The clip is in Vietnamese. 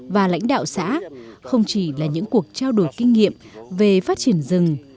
và lãnh đạo xã không chỉ là những cuộc trao đổi kinh nghiệm về phát triển rừng